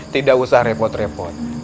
tidak usah repot repot